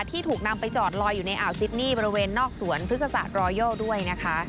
ที่ถูกนำไปจอดลอยอยู่ในอ่าวซิดนี่บริเวณนอกสวนพฤกษารอยโยด้วยนะคะ